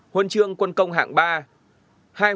huân chương quân công hạng nhất